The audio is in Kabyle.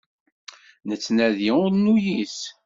Nettnadi ur nuyis.